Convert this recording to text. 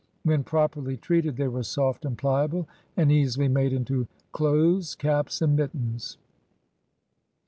WheaOi properly treated they were soft and pliable, and easily made into clothes, caps, and mittens.